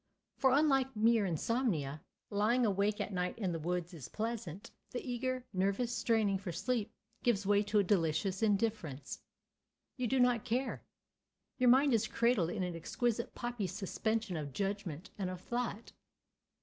For, unlike mere insomnia, lying awake at night in the woods is pleasant. The eager, nervous straining for sleep gives way to a delicious indifference. You do not care. Your mind is cradled in an exquisite poppy suspension of judgment and of thought.